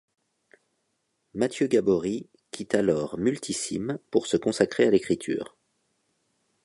Mathieu Gaborit quitte alors Multisim pour se consacrer à l'écriture.